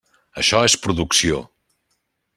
Això és producció.